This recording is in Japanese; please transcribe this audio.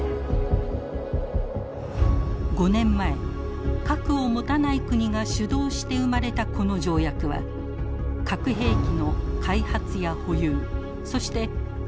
５年前核を持たない国が主導して生まれたこの条約は核兵器の開発や保有そして核を使った威嚇も禁止しています。